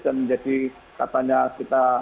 dan jadi katanya kita